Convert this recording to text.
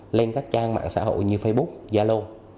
trên các trang mạng xã hội như facebook zalo